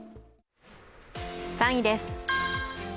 ３位です。